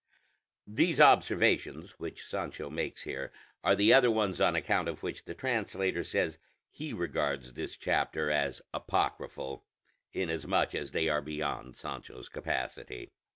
(These observations which Sancho makes here are the other ones on account of which the translator says he regards this chapter as apocryphal, inasmuch as they are beyond Sancho's capacity.)